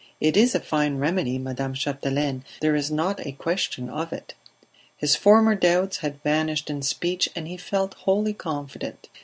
It is a fine remedy, Madame Chapdelaine, there is not a question of it!" His former doubts had vanished in speech and he felt wholly confident.